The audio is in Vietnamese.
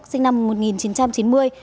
sinh năm một nghìn chín trăm chín mươi